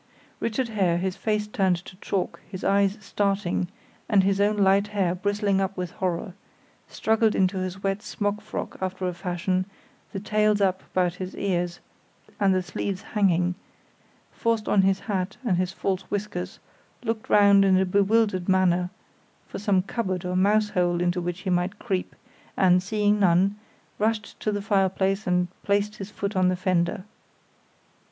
Richard Hare, his face turned to chalk, his eyes starting, and his own light hair bristling up with horror, struggled into his wet smock frock after a fashion, the tails up about his ears and the sleeves hanging, forced on his hat and his false whiskers, looked round in a bewildered manner for some cupboard or mouse hole into which he might creep, and, seeing none, rushed to the fireplace and placed his foot on the fender.